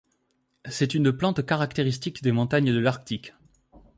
C'est une plante caractéristique des montagnes de l'Arctique.